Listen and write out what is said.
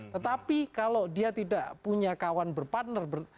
tetapi kalau dia tidak punya kawan berpartner